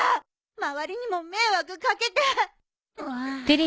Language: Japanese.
周りにも迷惑かけて。